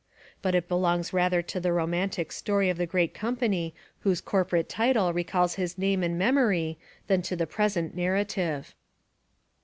But it belongs rather to the romantic story of the great company whose corporate title recalls his name and memory, than to the present narrative.